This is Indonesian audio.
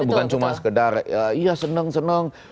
bukan cuma sekedar ya seneng seneng